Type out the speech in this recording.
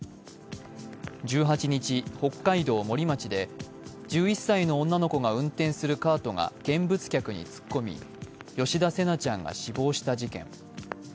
１８日、北海道森町で１１歳の女の子が運転するカートが見物客に突っ込み、吉田成那ちゃんが死亡した事件。